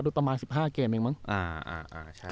ประมาณ๑๕เกมเองมั้ง